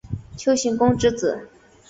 丘行恭之子。